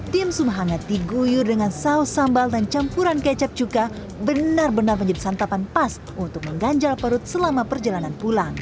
dimsum hangat diguyur dengan saus sambal dan campuran kecap cuka benar benar menjadi santapan pas untuk mengganjal perut selama perjalanan pulang